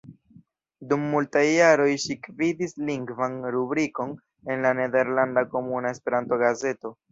Dum multaj jaroj ŝi gvidis lingvan rubrikon en la nederlanda Komuna Esperanto-gazeto.